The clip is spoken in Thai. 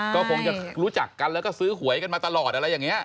ก็คงจะรู้จักกันแล้วก็ซื้อหวยกันมาตลอดอะไรอย่างนี้